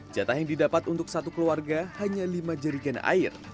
jatah yang didapat untuk satu keluarga hanya lima jerigen air